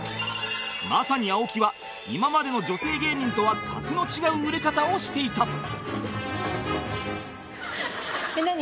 まさに青木は今までの女性芸人とは格の違う売れ方をしていた